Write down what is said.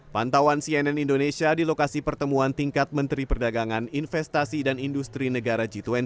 pantauan cnn indonesia di lokasi pertemuan tingkat menteri perdagangan investasi dan industri negara g dua puluh